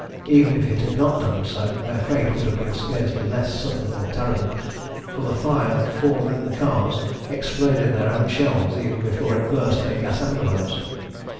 Even if it had not done so their fate would have been scarcely less sudden or terrible, for the fire falling in the cars exploded their own shells even before it burst their gas envelopes.